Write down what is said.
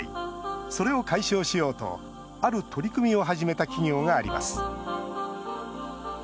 それを解消しようとある取り組みを始めた企業があります。